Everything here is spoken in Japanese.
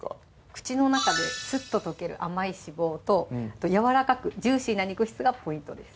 口の中でスッと溶ける甘い脂肪とやわらかくジューシーな肉質がポイントです